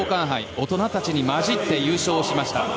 大人たちに交じって優勝しました。